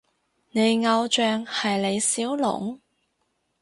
你偶像係李小龍？